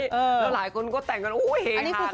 แล้วหลายคนก็แต่งกันอูหูเฮหากันมากเลย